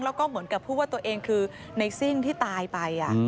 แล้วก็เหมือนกับพูดว่าตัวเองคือในซิ่งที่ตายไป